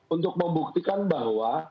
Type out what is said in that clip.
untuk membuktikan bahwa